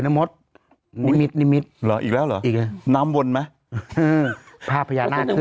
น้ำมดนิมิตรนิมิตรอีกแล้วหรือน้ำวนไหมพ่าพญานาคือ